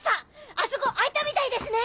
あそこ空いたみたいですね！